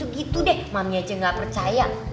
gitu deh mami aja gak percaya